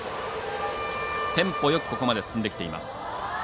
テンポよくここまで進んできています。